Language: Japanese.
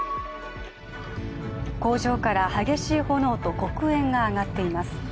工場から激しい炎と黒煙が上がっています。